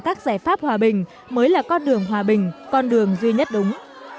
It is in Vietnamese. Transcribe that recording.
các giải pháp hòa bình mới là con đường hòa bình con đường duy nhất đúng